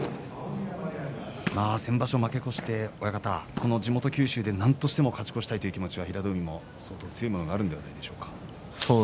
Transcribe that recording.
先場所、負け越してこの地元九州で、なんとしても勝ち越したいという気持ちは平戸海も相当、強いものがそうですね、はい。